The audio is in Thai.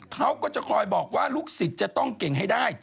เขาก็จะคอยบอกว่าลูกศิษย์จะต้องเก่งให้ได้